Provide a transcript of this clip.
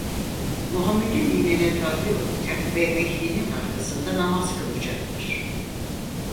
Muhammed'in dinine tabi olacak ve Mehdi'nin arkasında namaz kılacaktır.